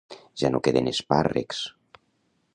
Ja no queden espàrrecs